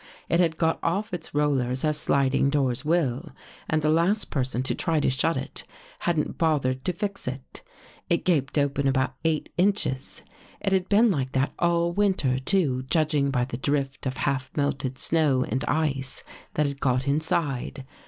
It had got oif its rollers as sliding doors will, and the last person to try to shut it, hadn't bothered to fix it. It gaped open about eight inches. It had been like that all winter, too, judging by the drift of half melted snow and ice that had got in side.